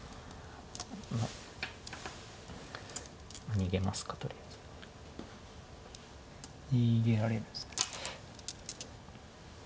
逃げますかとりあえず。逃げられるんですね。